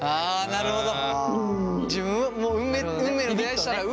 なるほど。